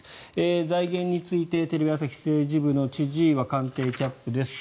財源についてテレビ朝日政治部の千々岩官邸キャップです。